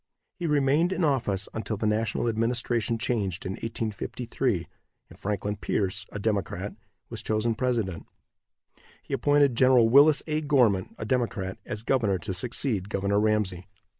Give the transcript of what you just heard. He remained in office until the national administration changed in 1853, and Franklin Pierce, a Democrat, was chosen president. He appointed Gen. Willis A. Gorman, a Democrat, as governor to succeed Governor Ramsey.